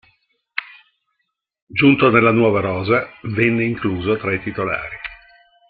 Giunto nella nuova rosa venne incluso tra i titolari.